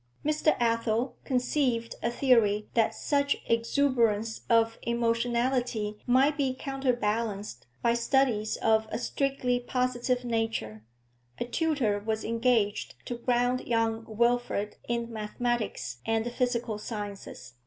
Mr. Athel conceived a theory that such exuberance of emotionality might be counterbalanced by studies of a strictly positive nature; a tutor was engaged to ground young Wilfrid in mathematics and the physical sciences.